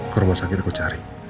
ke rumah sakit aku cari